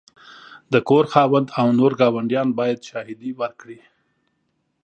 د کور خاوند او نور ګاونډیان باید شاهدي ورکړي.